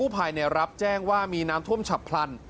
ภายในรับแจ้งว่ามีน้ำท่วมฉับพลัน